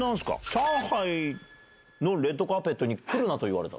上海のレッドカーペットに来るなと言われた？